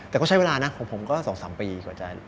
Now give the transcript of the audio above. แต่ก็ใช้เวลานะผมก็สองสามปีก่อนจะ